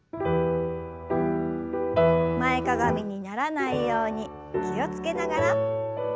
前かがみにならないように気を付けながら。